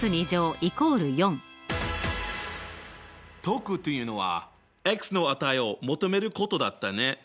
解くというのはの値を求めることだったね。